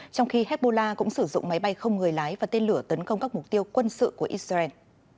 trong khi hezbollah cũng sử dụng máy bay không người lái và tên lửa tấn công các mục tiêu quân sự của israel